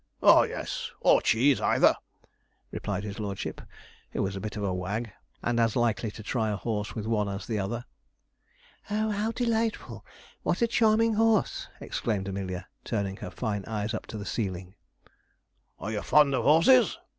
'Oh yes; or cheese either,' replied his lordship, who was a bit of a wag, and as likely to try a horse with one as the other. 'Oh, how delightful! what a charming horse!' exclaimed Amelia, turning her fine eyes up to the ceiling. 'Are you fond of horses?'